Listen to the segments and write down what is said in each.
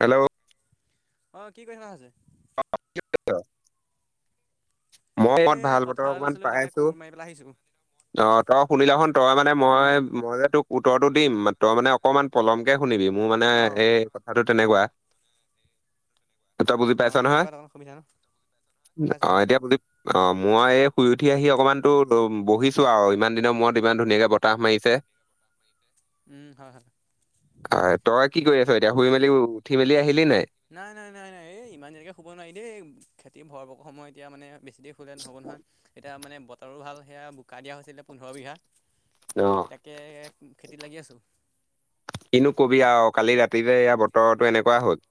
Hello. অ' কি কৰি [unintelligible] [unintelligible] মতমত এই ভাল বতৰ পথাৰলৈ অকমান গৈছিলোঁ পাই তাকে আছো। কোৰ মাৰি পেলাই আহিছোঁ। অ' তই শুনিলাখনু তই মানে মই উম মই যে তোক উত্তৰটো দিম তই মানে অকমান পলমকে শুনিবি মোৰ মানে অ। এই কথাটো তেনেকুৱা তই বুজি অ পাইছ নহয়। পোৱাত অকণ অসুবিধা ন? পাইছোঁ অ' পাইছোঁ। এতিয়া বুজি অ' মই এই শুই উঠি আহি অকমানতো বহিছো আৰু ইমান দিনৰ মূৰত ইমান ধুনীয়াকে বতাহ মাৰিছে। [inaudible] উম' হয়, হয়। অ' তই কি কৰি আছ এতিয়া শুই মেলি উঠি মেলি আহিলি নাই নাই, নাই, নাই, নাই এই ইমান যেনেকৈ শুব নোৱাৰি দেই খেতিৰ ভৰ বৰ এতিয়া সময় মানে বেছি তি শুলে নহ'ব নহয় এতিয়া মানে বতৰো ভাল সেয়া বোকা দিয়া হৈছিলে পোন্ধৰ বিঘা অ' তে খেতিত লাগি আছোঁ কিনো কবি আৰু কালি ৰাতি যে এয়া বতৰটো এনেকুৱা হ'ল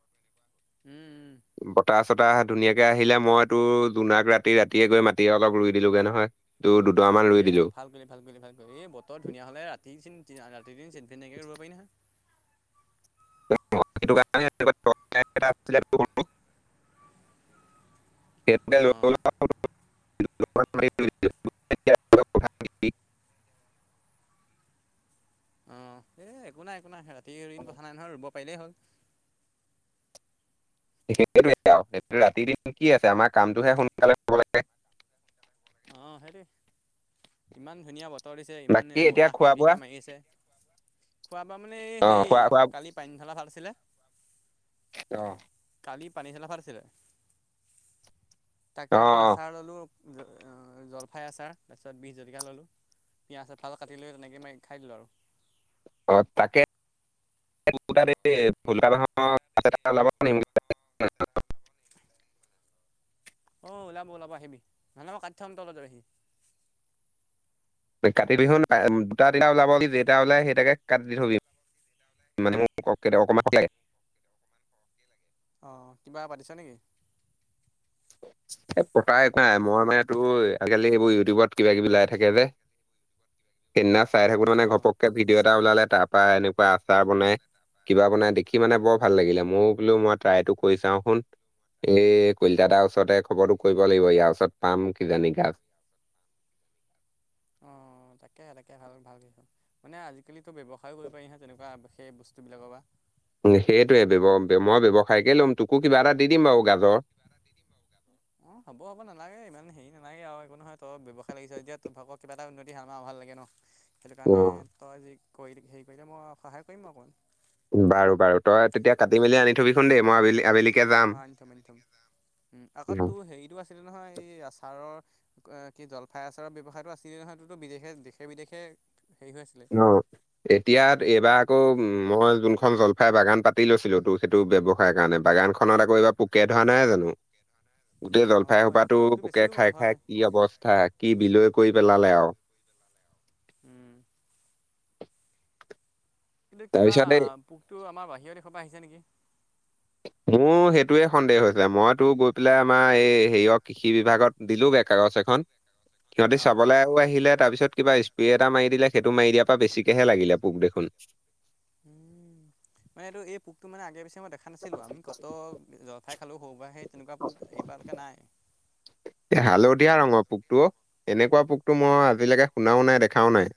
উম, উম। বতাহ চতাহ ধুনীয়াকে আহিলে মইতো জোনাক ৰাতি ৰাতিয়ে গৈ মাটি অলপ ৰুই দিলোগে নহয়। তো দুটা মান ৰুই দিলো এই ভাল কৰি ভাল কৰি ভাল কৰি এই বতৰ ধুনীয়া হ'লে ৰাতি চ ৰাতি চনফিন তেনেকৈ ৰুব পাৰি নহয়। [unintelligible] অ [unintelligible] এনেকুৱা কথা নেকি? অ' এই একো নাই একো নাই ৰাতিদিন কথা নাই নহয় ৰুব পাৰিলেই হ'ল। সেইটোৱে আৰু ৰাতি দিন কি আছে আমাৰ কামটোহে সোনকালে হ'ব লাগে। অ' সেইটোয়ে ইমান ধুনীয়া বতৰ দিছে ইমান বাকী এতিয়া বতাহ খোৱা ফিৰ বোৱা ফিৰকে মাৰি আছে। খোৱা বোৱা মানে এই অ হেৰি খোৱা খোৱা কালি পানীঢালা ভাত আছিলে অ'। কালি পানী চলাফাৰছিলে অ তাকে অকণ আচাৰ ললোঁ জলফাই আচাৰ তাৰপিছত বিষ জলকীয়া ল'লোঁ পিঁয়াজ এফাল কাটি লৈ তেনেকৈ মাৰি খাই দিলোঁ আৰু অঁ তাকে নহয় নিম অ ওলাব ওলাব আহিবি নহ ম কা্যামম তলততে আহি কাতি বিহু দুটা তিটা ওলাব যেেই ওলাই সেইটাকে কাটি দি থৈবি মানে মোক অকণমান লাগে অঁ কিবা পাতিছা নেকি এ পতাই এক নাই মই মানে তোৰ আজালি এইবোৰ ইউটিউবত কিবা কিবি লাই থাকে যে সেইদিনা চাই থাকো মানে অঁ ঘপককে ভিডিঅ' এটা ওলালে তাৰ পৰা এনেকুৱা আচাৰ বনাই কিবা বনাই দেখি মানে বৰ ভাল লাগিলে মইো বোলো মই ট্ৰাইটো কৰি চাওঁ শুন এই কলিতাাৰ ওচৰতে খবৰটো কৰিব লাগিব ইয়াৰ ওচৰত পাম কিজানি গাছ অ তাকে তাকে ভাল ভাল কিছ মানে আজি আজিকিতো ব্যৱসায়ো কৰিব পাৰিহে তেনেকুৱা সেই বস্তুবিলাকৰ পৰা সেইটোৱেৱ মই ব্যৱসায়কে ল'ম তোকো কিবা এটা দি দিম বাৰু গাজৰ অ হব হব নালাগে ইমান হেৰি নালাগে আৰু একো নহয় তই ব ব্যৱসায় লাগিছে এতিয়া তোৰ ভাগত কিবা এটা উন্নতি হাৰমাৰ অ ভাল লাগে ন সেইটো অ কাৰণে তই যি কৰি হেৰি কৰিলে মই সহায় কৰিম অকণ বাৰু বাৰু তই তেতিয়া কাটি মেলি আনি থবি খোন দ মইবেলি আবেলি যাম অ আনি থম আনি থম উম আকৌ তোৰ হেৰিতটো আছিলে নহয় এই আচাৰৰ অ কি জলফাই আচাৰৰ ব্যয়ৱসায়টো আছিলে নহয়ো বিদেশে দেশে বিদেশে হেৰি হৈ আছিলে অ এতিয়া এইবাৰ আকৌ মই যোনখন জলফাই বাগান পাতি লৈছিলো তো সেইটো ব ব্যয়ৱসায়ৰ কাৰণে বাগানখন খন এটা কৰিবা পোকে ধৰা নাই জানো গোটেই জলফাই অঁ এইবাৰ সোপাতো পোকটো পোকে বেছিও খাই বাৰু খাই হয় কি অৱস্থা কি বিলৈ কৰি পেলালে আৰু উম কিন্তু কিবা তাৰপিছত এই পোকটো আমাৰ বাহিৰৰ দেশৰ পৰা আহিছে নেকি মোৰ সেইটোোৱে সন্দেহ হৈছে মইতো গৈ পেলাই আমাৰ এই হেৰিয়ৰ কৃষি বিভাগত দিলো বে কাগজ এখন সিহঁতি অঁ চাবলৈও আহিলে তাৰপিছত কিবা স্প্ৰে এটা মাৰি দিলে সেইটো মাৰি দিয়াৰ পৰা বেছিকেহে লাগিলে পোক দেখোন উম মানে এইটো এই পোকটো মানে আগে পিছে মই দেখা নাছিলোঁ আমি ক তো জঠাই খালোঁ সৰু বা সেই তেনেকুৱা পোক এইবাৰকে নাই। এ হালধীয়া ৰঙৰ পোকটো অ এনেকুৱা পোকটো মই আজিলৈকে শুনাও নাই দেখাও নাই।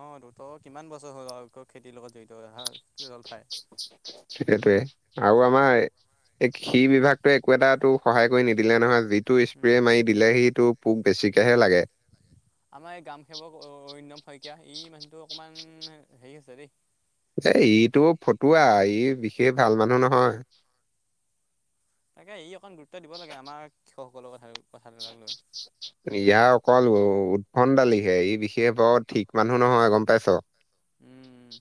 অঁ তহতোৰ কিমান বছৰ হ'ল আৰু খেতিৰ লগত জড়িত হৈ অহা। সেইটোৱে, আৰু আমাৰ এ সি বিভাগটো একো এটাতো সহায় কৰি নিদিলে নহয়। যি টো স্প্ৰে উম মাৰি দিলে সি তটো পোক বেছিকেহে লাগে। আমাৰ এই গ্ৰাম সেৱক অৰিণম শইকীয়া ই মানুহটো অকণমান হেৰি আছে দেই। এ ইটো ফটুৱা, ই বিশেষ ভাল মানুহ নহয়। তাকে ই অকণ গুৰুত্ব দিব লাগে আমাৰ কৃষকসকলৰ কথা কথাবিলাক লৈ। [inaudible] ইয়াৰ অকল উৎভন দালিহে, ই বিশেষ বৰ ঠিক মানুহ নহয় গম পাইছ। উম,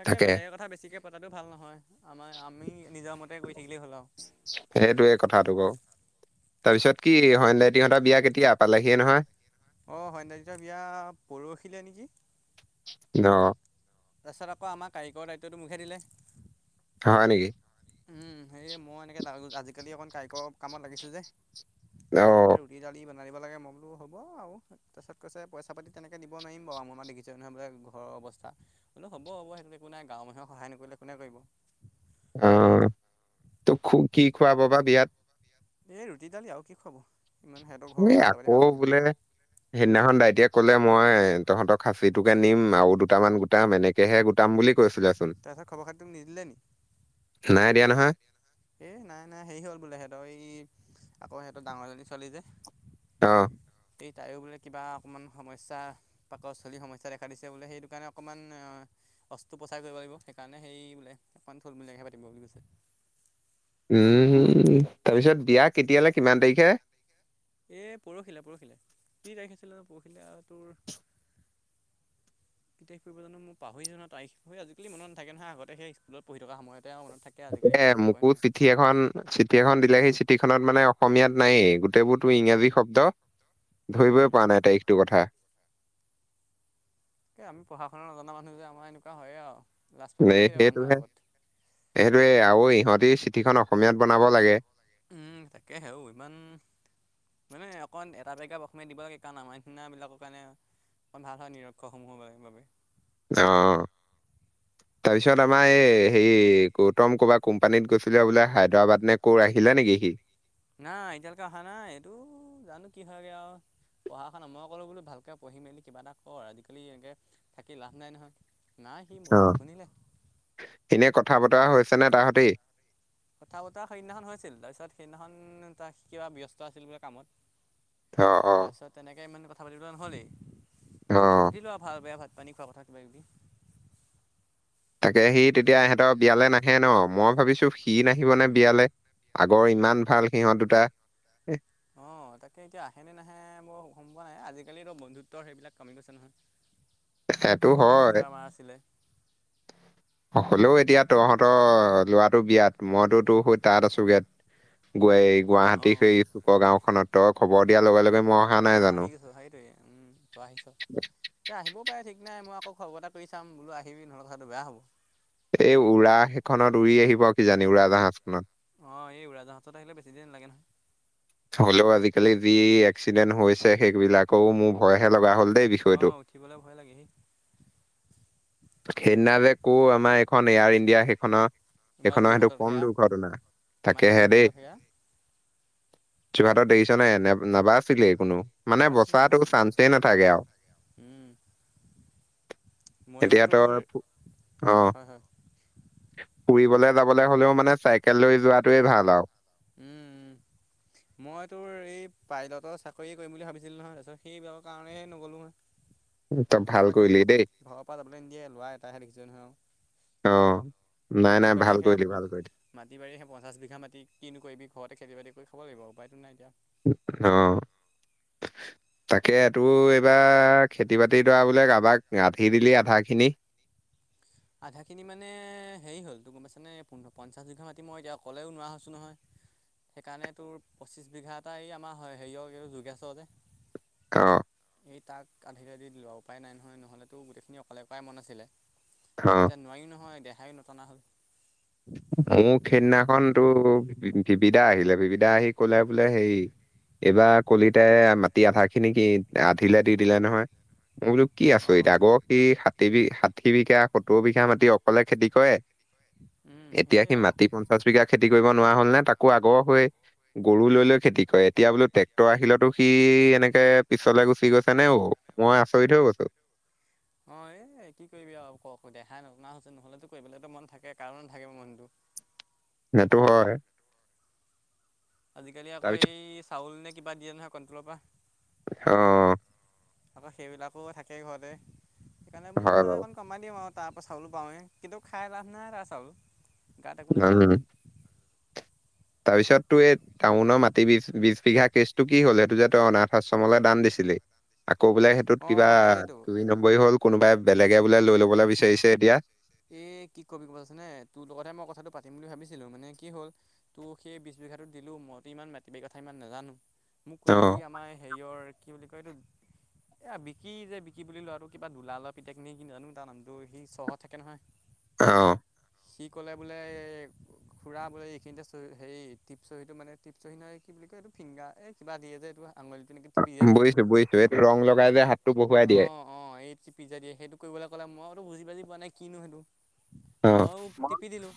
তাকে বেলেগৰ কথা বেছিকে পতাটো ভাল নহয়, আমাৰ আমি নিজৰ মতে কৰি থাকিলেই হ'ল আৰু। সেইটোয়ে কথাটো ক। তাৰপিছত কি হয়নাই তিহতৰ বিয়া কেতিয়া পালে? সি নহয় অঁ সন্নাজ্যৰ বিয়া পৰহিলে নেকি। অ, তাৰপিছত আকৌ আমাৰ কাৰিকৰ দায়িত্বটো মোকহে দিলে। হয় নেকি। উম হেয়ে মই এনেকে আজিকালি অকণ কাৰিকৰ কামত লাগিছো যে, অ তাকে বোলে দালি বন দিব লাগে মই বোলো হ'ব আৰু, তাৰপিছত কৈছে পইচা-পাতি তেনেকে দিব নোৱাৰিম বাৰু ম দেখিছে নহয় বোলে। ঘৰৰ অৱস্থা কিন্ত হ'ব হ'ব সেইটো একো নাই, গাঁৱৰ মানুহে সহায় নকৰিলে কোনে কৰিব। অ, তোক খু কি খুৱাব বা বিয়াত। এই ৰুতি, দালি আৰু কি খোৱাব, ইমান সিহঁতৰ ঘৰৰ এই আকৌ অৱস্থা-পাতি ভাল নহয় বোলে নহয়। সেইদিনাখন দাইটিয়ে ক'লে, মই তহঁতৰ খাচীটোকে নিম আৰু দুটামান গোটাম এনেকেহে গোটাম বুলি কৈছিলেচোন তাৰপিছত খবৰ - খাতি নিদিলে নি। নাই দিয়া নহয়। এ নাই নাই হেৰি হ'ল বোলে সিহঁতৰ এই আকৌ সিহঁতৰ ডাঙৰজনী ছোৱালী যে। অ, সেই তাইয়ো বোলে কিবা অকণমান সমস্যা। পাকস্থলী সমস্যা দেখা দিছে বোলে। সেইটো কাৰণে অকণমান। বস্তু প্ৰচাৰ কৰিব লাগিব। সেইকাৰণে সেই বোলে অকনমান থুলমূলীয়াকহে পাতিব বুলি কৈছে। উম, তাৰপিছত বিয়া কেতিয়ালৈ? কিমান তাৰিখে? এই পৰহিলে পৰহিলে, কি তাৰিখ আছিলে পৰহিলে টোৰ কিতাপ পঢ়িবলে পাহৰিয়ে জানো, আজিকালি মনত নাথাকে নহয়, সেই স্কুলত পঢ়ি থকা সময়তে মনত থা তে [unintelligible] মকো চিঠি এখন চিঠি এখন দিলে সেই চিঠিখনত মানে অসমীয়াত নায়েই। গোটেইবোৰ তোৰ ইংৰাজী শব্দ। উম ধৰিবই পৰা নাই তাইকটো কথা। এ, আমি পঢ়া শুনা নজনা মানুহ যে আমাৰ এনেকুৱা হয়ে আৰু। লাজ পাব ন লাগে কেতিয়াবা মানুহৰ সেইটোহে আগত সেইটোৱে আৰু ইহঁতি চিঠিখন অসমীয়াত বনাব লাগে। উম, তাকে হেও ইমান। মানে অকণ এটা বেগ প্ৰ অসমমে দিব লাগে। কাৰণ আমাৰ নিচিনা বিলাকৰ কাৰণে অকণ ভাল হয় নিৰক্ষৰসমূহৰ বাবে। অ, তাৰপিছত আমাৰ এই হেৰি গৌতম ক'বা কোম্পানীত গৈছিলে বোলে হায়দৰাবাদ নে ক আহিলে নেকি সি? নাই এতিয়ালৈকে অহা নাই এইটো জানো কি হয়গে আৰু। পঢ়া শুনা মই ক'লো বোলো ভালকৈ পঢ়ি মেলি কিবা এটা কৰ, আজিকালি এনেকৈ থাকি লাভ নাই নহয়। নাই সি মোৰ কথা নুশুনিলে। এনেই কথা বতৰা হৈছেনে তাহ হঁতি। কথা বতৰা সেইদিনাখন হৈছিল তাৰপিছত সেইদিনাখন ত কিবা ব্যস্ত আছিল বোলে কামত। অ, অ, তাৰপিছত তেনেকে ইমানে কথা পাতিবা নহ'লেই অ ক'লব সুধিলো আৰু ভাল বেয়া ভাত পানী খোৱা কথা কিবা কিবি। তাকে সি তেতিয়া ইহঁতৰ বিয়ালে নাহে ন মই ভাবিছো সি নাহিব নে বিয়ালে। আগৰ ইমান ভাল সিহঁত দুটা। এ, অ, তাকে এতিয়া আহেনে নাহে বৰ সমম পোৱা নাই আজিকালিতো বন্ধুত্বৰ সেইবিলাক কামি গৈছে নহয়। [unintelligible] আগতে হয় যিটো আমাৰ আছিলে। হ'লেও এতিয়া তহঁতৰ লৰাটো বিয়াত মইতো তোৰ স তাত আছো গে। গ অ'। গুৱাহাটী অ', সেই চুকৰ গাঁওখনত তই খবৰ দিয়াৰ লগে লগে মই অহা নাই জানো। সেইটোৱেই তই আহিছা। এতিয়া আহিব পাৰে ঠিক নাই মই আকৌ খবৰ এটা কৰি চাম বোলো আহি নহলে কথা বেয়া হ'ব। এই উৰা সেইখনত উৰি আহিব কিজানি উৰাজাহাজখনত। অ, এই উৰাজাহাজ ত আহিলে বেছিদিন লাগে নহয়। হলে'ও আজিকালি যি এক্সিডেন্ট হৈছে সেইবিলাকৰও মোৰ ভয়হে লগা হ'ল দেই অ', বিষয়টো। উঠিবলৈ ভয় লাগে হে। সেইদিনা যে ক'ও আমাৰ এইখন এয়াৰ ইণ্ডিয়া সেইখনৰ আমাৰ সেইখনৰ সেইটো যোৰহাটত কম সেয়া দুৰ্ঘটনা। আমাৰ সেয়া তাকেহে যোৰহাটত সেয়া। যোৰহাটৰ দেখিচ নে নাই ন, নাবাছিলেই কোনো মানে নাবাচিলোঁ বচাতো নাবাচিলোঁ চান্সে নাবাচিলোঁ। নাথাকে আৰু। উম, ময়ো এতিয়া তোৰ তই ফো- হয়, হয়। ফুৰিবলৈ যাবলৈ হ'লেও মানে চাইকেল লৈ যোৱাটোৱে ভাল আৰু। উম, উম। মই তোৰ এই পাইলটৰ চাকৰি কৰিম বুলি ভাবিছিলো নহয়। তাৰপিছত সেইবিলাকৰ কাৰণেহে নগ'লো নহয়। [unintelligible] ভাল ভয় লাগে কৰিলি মানে দেই ঘৰৰ পৰা যাবলৈ নিদিয়ে ল'ৰা এটাহে দেখিছো নহয় আৰু। অ' নাই মাটি নাই বাৰীয়ে ভাল সেয়া কৰিলি, ভাল কৰিলি। মাটি বাৰি সেই পঞ্চাছ বিঘা মাটি কিনো কৰিবি ঘৰতে খেতি বাতি কৰি খাব লাগিব উপায়টো নাই এতিয়া। অ' তাকে টো এইবাৰ খেতি। খেতি বাতি দৰা বোলে কাৰোবাক আধি দিলি আধাখিনি। আধাখিনি মানে হেৰি হ'ল তটো গ'ম পাইছানে পোন্ধ পঞ্চাছ বিঘা মাটি মই এতিয়া অকলেও নোৱা হৈছোঁ নহয়। সেইকাৰণে তোৰ পঁচিছ বিঘা এটাই এই আমাৰ হেৰিয়ক এইটো যোগেছ যে। অ' সেই তাক আধিলে দি দিলো হয়, উপায় নাই নহয় নহ'লেতো গোটেইখিনি অকলে কৰাই মন আছিলে। হয়। এতিয়া নোৱাৰিও নহয়, দেহাই নটনা হ'ল। মোৰ সেইদিনাখনতো ভিবদা আহিলে ভবিধা আহি ক'লে বোলে হেৰি। এইবাৰ কলিতাই মাটি আধা খিনি কি আধিলে দি দিলে নহয় মই বোলো। কি আচৰিত অঁ আগ সি ষাঠি বিঘা ষাঠি বিঘা সত্তৰ বিঘা মাটি অকলে খেতি কৰে। উম এতিয়া সেয়াই সি আৰু মাটি পঞ্চাশ বিঘা খেতি কৰিব নোৱাৰা হ'ল নে তাকো আগৰ হৈ। গৰু লৈ লৈ খেতি কৰে এতিয়া বোলো ট্ৰেক্টৰ আহিলতো সি এনেকে পিছলে গুচি গৈছে নে অঔ মই আচৰিত হৈ গৈছো। অ' এ কি কৰিবি আৰু ক দেহাই নটনা হৈছে নহ'লেতো কৰিবলৈ মন থাকে কাৰো নাথাকিব মনতটো। সেইটো হয়। আজিকালি আকৌ তাৰপিছত এই চাউল নে কিবা দিয়ে নহয় কণ্ট্ৰলৰ পৰা। অ' তাৰপাৰ সেইবিলাকো থাকে ঘৰতে সেইকাৰণে বোলো হয় নাই। বাৰু কমাই দিম আৰু তাৰপ চাউলো পাওঁৱেই। কিন্তু খাই লাভ নাই তাৰ চাউল গাত একো নাপায়। তাৰপিছততো এই টাউনৰ মাটি বি বিছ বিঘা কেচটো কি হ'ল। সেইটো যে তই অনাথ আশ্ৰমলৈ দান দিছিলি। আকৌ বোলে সেইটোত কিবা অঁ সেইটো দুই নম্বৰী হ'ল, কোনোবাই বেলেগে বোলে লৈ ল'বলৈ বিচাৰিছে এতিয়া। এ কি কবি ক'ব গ'ম পাইছা নে তোৰ লগততে মই কথাটো পাতিম বুলি ভাবিছিলোঁ মানে কি হ'ল। তো সেই বিছ বিঘাটো দিলোঁ। মইতো ইমান মাটিবাৰি কথা ইমান নাজানোঁ। মোক অ এই আমাৰ হেৰিয়ৰ কি বুলি কয় এইটো। এ বিকি যে বিকি বুলি লোৱাটো কিবা দোলাল পিতাক কিনি কি জানো তাৰ নামটো সি চহৰত। থাকে নহয়। অ' সি ক'লে বোলে। খুৰা বোলে এইখিনিতে চহ হেৰি টিপচ চহীটো মানে টিপচহী নহয় কি বুলি কয় এইটো ফিংগাৰ এই কিবা দিয়ে যে এইটো আঙুলি এনেকৈ টিপি যে দিয়ে বুজিছো বুজিছো এইটো ৰং লগাই অ' যে হাতটো বহুৱাই দিয়ে অ' অ' এই টিপি যে দিয়ে সেইটো কৰিবলে ক'লে মইতো বুজি বাজি পোৱা নাই কিনো সেইটো। অ ময়ো টিপি দিলোঁ।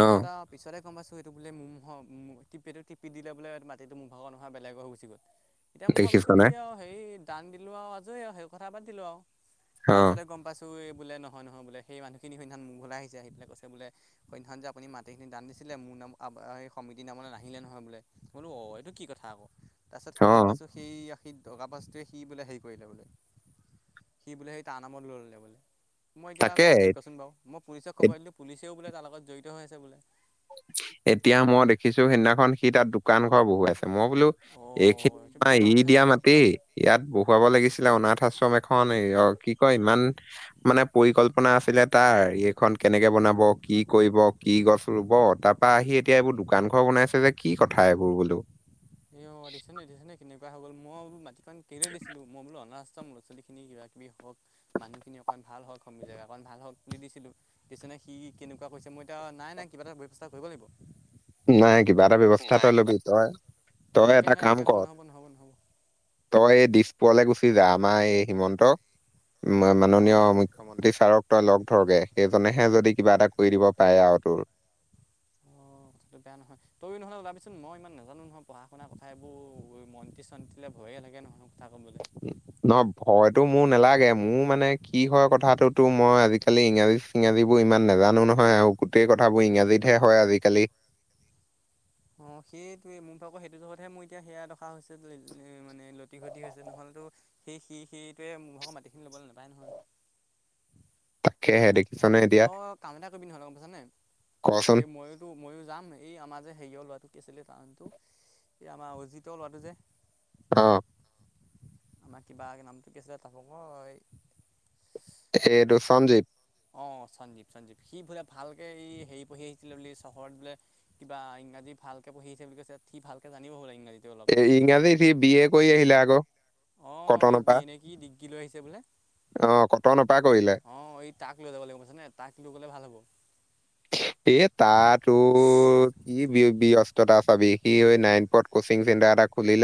অ পিছতে গ'ম পাইছোঁ এইটো বোলে মো'হ টিপ এইটো টি দিলে বোলে মাটিটো মুৰ ভাগ নোহ বেলেগ হৈ গোছি গ'ল। [inaudible] এতিয়া মই ভাবিছো কি নে আৰু হেই দান দিলোঁ আৰু আজৰি আৰু সেই কথা বাদ দিলো আৰু অ তাৰপিছতে গ'ম পাইছো। তই বোলে নহয় নহয় বোলে। সেই মানুহখিন সেইদিনা খন মোৰ ঘৰলে আহিছে আহ পেলায় কৈছে বোলে। সেইদিনাখন যে আপুনি মাটিখিনি দান দিছিলে মোৰ নাম সেই সমিতি নামলৈ নাহিলে নহয় বোলে। বোলো অ' এইটো কি কথা আকৌ তাৰপিছত অ গ'ম পাইছো। সেই সি দগাবাজটোৱে সি বোলে হেৰি কৰিলে বোলে। সি বোলে সেই তাৰ নামত লৈ ল'লে বোলে। মই এতিয়া তাকে কৰো কি ক'চোন বাৰু মই পুলিচক এ- খবৰ দিলো পুলিচেও বোলে তাৰ লগত জড়িত হৈ আছে বোলে। এতিয়া মই দেখিছো সেইদিনাখন সি তাত দোকান ঘৰ বহুৱাইছে মই বোলো অঁ এইখিনি এইটো আমাৰ বহুত ডাঙৰ এৰি কথা দিয়া হৈছে নহয় মাটি ইয়াত বহুৱাব লাগিছিলে অনাথ আশ্ৰম এখন অ কি কয় ইমান মানে পৰিকল্পনা আছিলে তাৰ এইখন কেনেকে বনাব, কি কৰিব কি, গছ ৰুব ৰুব তাৰ পৰা আহি এতিয়া এইবোৰ দোকান ঘৰ বনাইছে যে কি কথা এইবোৰ বোলো। এ দেখিছনে দেখিছনে কেনেকুৱা হৈ গ'ল মই সেইবোৰ মাটি কন কেলে দিছিলো মই বোলো অনাথ আশ্ৰম ল'ৰা-ছোৱালীখিনি কিবা কিবি হওক, মানুহখিনি অকণ ভাল হওক, জেগাকণ ভাল হওক বুলি দিছিলো। দেখিছনে সি কেনেকুৱা কৰিছে মই এতিয়া নাই নাই কিবা এটা ব্যৱস্থা কৰিব লাগিব। নাই কিবা এটা ব্যৱস্থা তই ল'বি তই তই এনেকে এটা কাম এনেকে হ'লেন কৰ নহ'ব নহ'ব। তই এই দিছপুৰলে গুচি যা আমাৰ এই হিমন্তক মাননীয় অ', মুখ্যমন্ত্ৰী মন্ত্ৰী ছাৰক তই লগ ধৰগে সেইজনেহে যদি কিবা এটা কৰি দিব পাৰে আৰু তোৰ। [inaudible] অ কথাটো বেয়া নহয়। তইয়ো নহ'লে ওলাবিচোন মই ইমান নাজানো নহয় পঢ়-শুনা কথা এইবোৰ মন্ত্ৰী-চন্ত্ৰীলে ভইয়ে লাগে নহয় কথা ক'বলে নহয় ভইয়তো মোৰ নেলাগে মোৰ মানে কি হয় কথাটো তোৰ মই আজিকালি ইংৰাজী চিংৰাজীবোৰ ইমান নেজানো নহয় আৰু গোটেই কথাবোৰ ইংৰাজীতহে হয় আজিকালি। অ, সেইটোৱে মোৰ ভাগৰ সেইটো জগতহে মোৰ এতিয়া সেইয়া দখা হৈছে মানে লতি-ঘটি হৈছে নহ'লেতো- সেই সি সেইটোৱে মোৰ ভাগৰ মাটিখিনি ল'বলে নেপায় নহয়। তাকেহে দেখিছনে এতিয়া তই কাম এটা কৰিবি নহ'লে গম পাইছনে কচোন এ মইয়ো টো মইয়ো যাম এই আমাৰ যে হেৰিয়ৰ ল'ৰাটো কি আছিলে তাৰ নামটো এই আমাৰ অজিতৰ ল'ৰাটো যে অ। আমাৰ কিবা নামটো কি আছিলে তাৰ ভাগৰ এই এইটো সঞ্জীৱ। অ সঞ্জীৱ সঞ্জীৱ সি বোলে ভালকে ই হেৰি পঢ়ি আহিছিলে বোলে চহৰত বোলে কিবা ইংৰাজী ভালকে পঢ়ি আহিছে বুলি কৈছে সি ভালকে জানিব বোলে ইংৰাজীটো অলপ। এ ইংৰাজীত সি বিএ কৰি আহিলে আক। অ এই বিএ নে কি ডিগ্ৰী লৈ আহিছে বোলে অ কটনৰ পৰা কৰিলে। অ এই তাক লৈ যাব লাগিব বুইছ নে তাক লৈ গ'লে ভাল হ'ব। এ তাৰ তোৰ কি ব্যস্ততা চাবি সি সৈ নাইকট কচিং চেণ্টাৰ এটা খুলিলে